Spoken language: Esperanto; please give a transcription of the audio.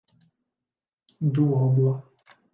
duobla